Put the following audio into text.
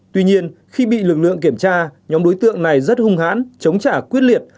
tuy nhiên khi bị lực lượng kiểm tra nhóm đối tượng này rất hung hãn chống trả quyết liệt